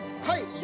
はい。